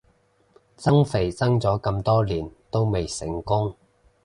增肥增咗咁多年都未成功